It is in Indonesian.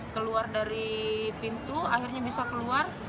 keluar dari pintu akhirnya bisa keluar